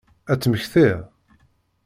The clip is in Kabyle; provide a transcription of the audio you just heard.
Ad temmektiḍ?